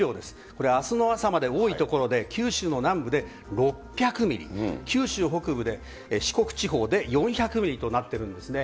これ、あすの朝までに多い所で九州の南部で６００ミリ、九州北部で四国地方で４００ミリとなっているんですね。